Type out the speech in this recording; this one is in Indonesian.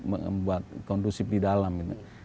membuat kondusif di dalam